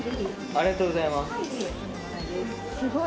ありがとうございます。